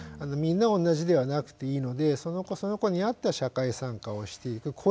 みんな同じではなくていいのでその子その子に合った社会参加をしていく。